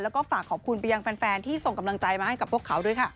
แล้วก็ฝากขอบคุณไปยังแฟนที่ส่งกำลังใจมาให้กับพวกเขาด้วยค่ะ